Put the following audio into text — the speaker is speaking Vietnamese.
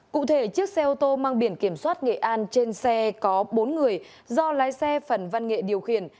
cụ thể chiếc xe ô tô mang biển kiểm soát nghệ an trên xe có bốn người do lái xe phần văn nghệ điều khiển